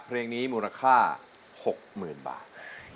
เพลงนี้มูลค่า๖หมื่นบาท